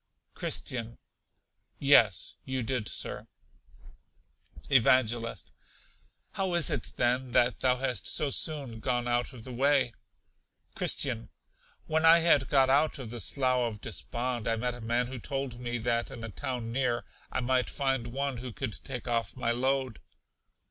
Christian. Yes, you did, Sir. Evangelist. How is it, then, that thou hast so soon gone out of the way? Christian. When I had got out of the Slough of Despond I met a man who told me that in a town near, I might find one who could take off my load.